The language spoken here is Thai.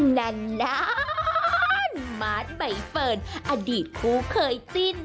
นานมาร์ทใบเฟิร์นอดีตคู่เคยจิ้น